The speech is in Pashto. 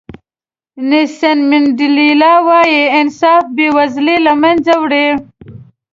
نیلسن منډیلا وایي انصاف بې وزلي له منځه وړي.